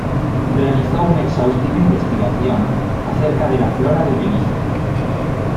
Realizó una exhaustiva investigación acerca de la flora de Belice.